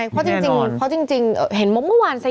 คนจริงเห็นเมื่อวาน